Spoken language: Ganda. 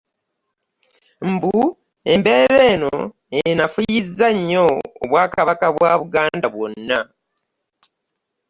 Mbu embeera eno enafuyizza nnyo obwakabaka bwa Buganda bwonna.